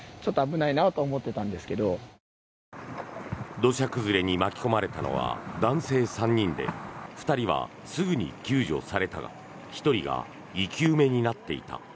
土砂崩れに巻き込まれたのは男性３人で２人はすぐに救助されたが１人が生き埋めになっていた。